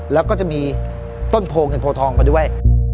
แล้วก็จะมีต้นโพเงินโพทองมาด้วย